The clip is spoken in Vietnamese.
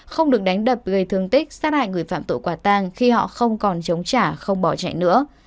không được đánh đập gây thương tích sát hại người phạm tội quả tang khi họ không còn chống trả không bỏ chạy nữa